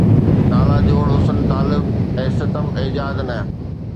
نالہ جوز حسنِ طالب، اي ستم ايجاد! نه